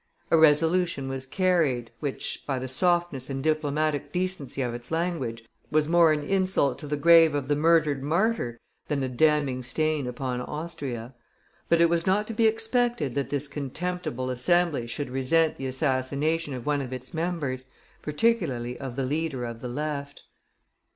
A resolution was carried, which, by the softness and diplomatic decency of its language, was more an insult to the grave of the murdered martyr than a damning stain upon Austria. But it was not to be expected that this contemptible Assembly should resent the assassination of one of its members, particularly of the leader of the Left.